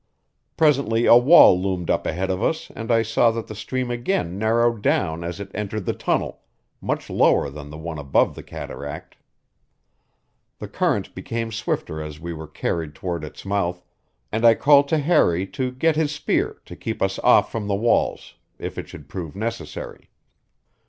Presently a wall loomed up ahead of us and I saw that the stream again narrowed down as it entered the tunnel, much lower than the one above the cataract. The current became swifter as we were carried toward its mouth, and I called to Harry to get his spear to keep us off from the walls if it should prove necessary.